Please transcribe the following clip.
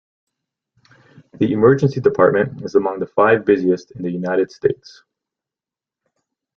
The Emergency Department is among the five busiest in the United States.